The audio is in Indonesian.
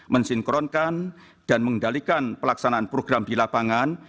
mensinkronkan dan mengendalikan pelaksanaan program di lapangan